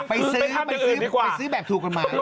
ไปซื้อแบบถูกกันมา